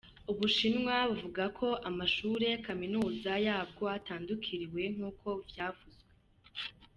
Ubushinwa buvuga ko amashule kaminuza yabwo atatandukiriwe nkuko vyavuzwe.